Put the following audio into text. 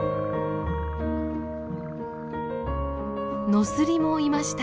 ノスリもいました。